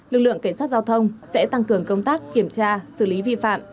lực lượng cảnh sát giao thông sẽ tăng cường công tác kiểm tra xử lý vi phạm